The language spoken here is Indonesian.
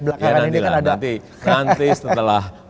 belakangan ini kan ada ya nanti lah nanti setelah